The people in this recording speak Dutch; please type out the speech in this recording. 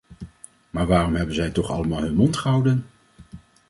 Maar waarom hebben zij toch allemaal hun mond gehouden?